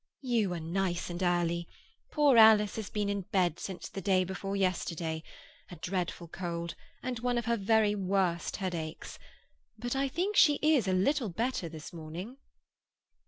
"You are nice and early! Poor Alice has been in bed since the day before yesterday; a dreadful cold and one of her very worst headaches. But I think she is a little better this morning."